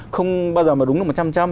không bao giờ mà đúng được một trăm trăm